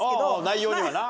内容にはな。